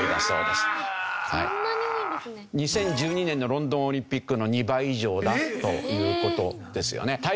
２０１２年のロンドンオリンピックの２倍以上だという事ですよね。